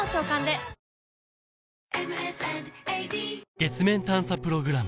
月面探査プログラム